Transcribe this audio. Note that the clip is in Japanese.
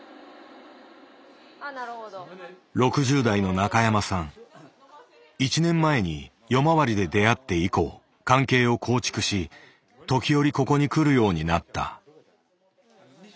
６０代の１年前に夜回りで出会って以降関係を構築し時折ここに来るようになった。